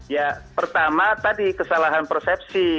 ya pertama tadi kesalahan persepsi